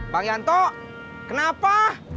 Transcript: bang yanto kenapa